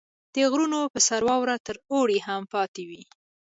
• د غرونو په سر واوره تر اوړي هم پاتې وي.